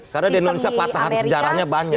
karena di indonesia patahan sejarahnya banyak